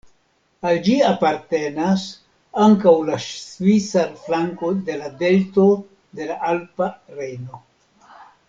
Al ĝi apartenas ankaŭ la svisa flanko de la delto de la Alpa Rejno.